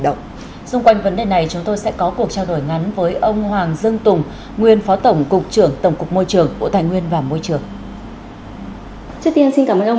dung quanh vấn đề này chúng tôi sẽ có cuộc trao đổi ngắn với ông hoàng dương tùng nguyên phó tổng cục trưởng tổng cục môi trường bộ tài nguyên và môi trường